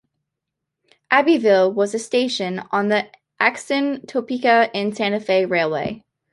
Abbyville was a station on the Atchison, Topeka and Santa Fe Railway.